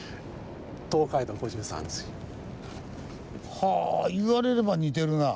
はあ言われれば似てるな。